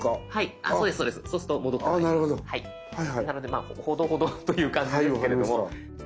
なのでまあほどほどという感じですけれども。